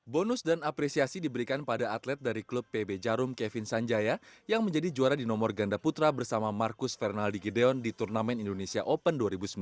bonus dan apresiasi diberikan pada atlet dari klub pb jarum kevin sanjaya yang menjadi juara di nomor ganda putra bersama marcus fernaldi gedeon di turnamen indonesia open dua ribu sembilan belas